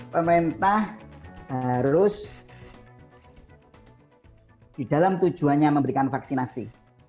pemerintah harus di dalam tujuannya memberikan vaksinasi